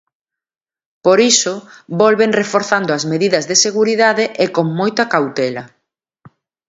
Por iso, volven reforzando as medidas de seguridade e con moita cautela.